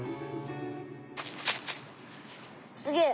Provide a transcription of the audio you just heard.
すげえ！